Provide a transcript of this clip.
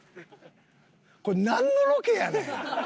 これなんのロケやねん。